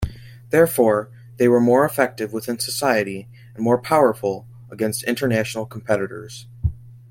Therefore, they were more effective within society and more powerful against international competitors.